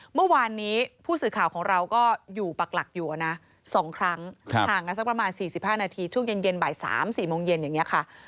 เมื่อวานนี้ผู้สื่อข่าวของเราก็อยู่ปากหลักอยู่อ่ะนะสองครั้งห่างนะสักประมาณสี่สิบห้านาทีช่วงเย็นเย็นบ่ายสามสี่โมงเย็นอย่างเงี้ยค่ะ